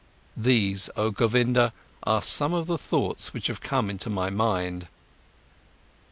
—These, oh Govinda, are some of the thoughts which have come into my mind."